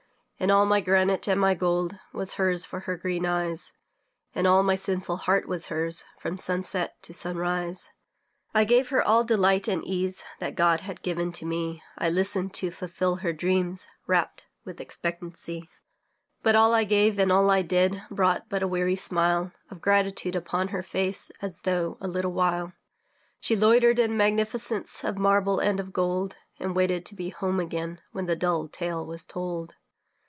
And all my granite and my gold Was hers for her green eyes, And all my sinful heart was hers, From sunset to sunrise. I gave her all delight and ease That God had given to me, I listened to fulfil her dreams, Rapt with expectancy. But all I gave and all I did Brought but a weary smile Of gratitude upon her face As though, a little while, She loitered in magnificence Of marble and of gold, And waited to be home again, When the dull tale was told.